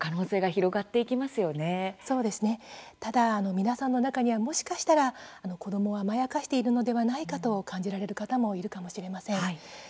ただ、皆さんの中にはもしかしたら、子どもを甘やかしているのではないかと感じられる方もいるかもしれません。